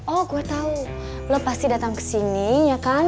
oh gue tau lo pasti datang kesini ya kan